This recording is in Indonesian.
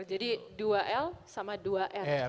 jadi dua l sama dua r